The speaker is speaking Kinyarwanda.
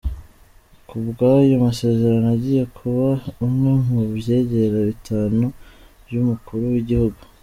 Ku bwayo masezerano, agiye kuba umwe mu vyegera bitanu vy'umukuru w'igihugu.